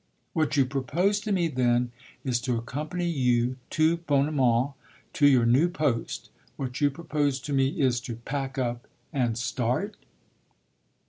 "What you propose to me, then, is to accompany you tout bonnement to your new post. What you propose to me is to pack up and start?"